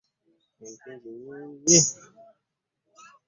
Oganyuddwa ki mu by'obadde ogoba.